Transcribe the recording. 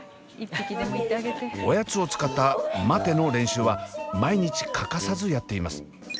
おやつを使った待ての練習は毎日欠かさずやっています。